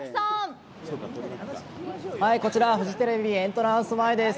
こちらはフジテレビエントランス前です。